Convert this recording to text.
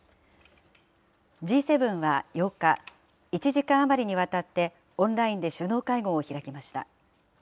Ｇ７は８日、１時間余りにわたって、オンラインで首脳会合を開きました。